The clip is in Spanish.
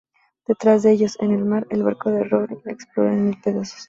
Detrás de ellos, en el mar, el barco de Rory explota en mil pedazos.